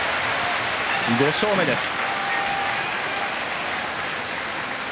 ５勝目です。